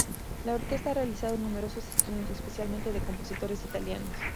La orquesta ha realizado numerosos estrenos, especialmente de compositores italianos.